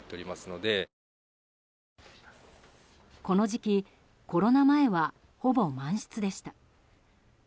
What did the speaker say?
この時期、コロナ前はほぼ満室でした。